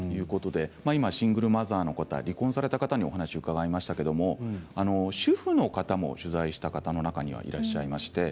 今、シングルマザーの方と離婚された方にお話を伺いましたが主婦の方も取材した中にはいらっしゃいました。